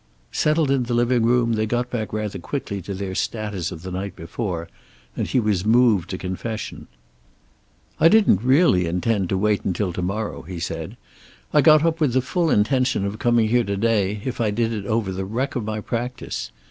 Settled in the living room, they got back rather quickly to their status of the night before, and he was moved to confession. "I didn't really intend to wait until to morrow," he said. "I got up with the full intention of coming here to day, if I did it over the wreck of my practice.